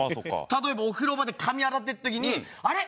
例えばお風呂場で髪洗ってる時にあれ？